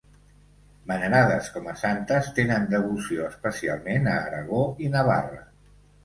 Venerades com a santes, tenen devoció especialment a Aragó i Navarra.